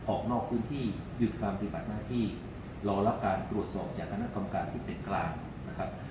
ออกนอกพื้นที่หยุดความปฏิบัติหน้าที่รอละการปรวจสอบจากคณะกำการที่เป็นกลาง